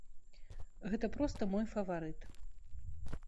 Гэта проста мой фаварыт.